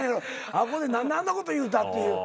あっこで何であんなこと言うたっていう。